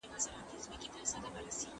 معقوله خبره هغه ده چي په پوهه ولاړه وي.